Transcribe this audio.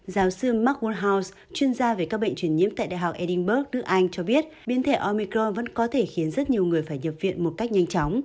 giáo sư mark woodhouse chuyên gia về các bệnh truyền nhiễm tại đại học edinburgh nước anh cho biết biến thể omicron vẫn có thể khiến rất nhiều người phải nhập viện một cách nhanh chóng